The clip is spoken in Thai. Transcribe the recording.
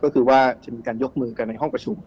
ก็คือว่าจะมีการยกมือกันในห้องประชุม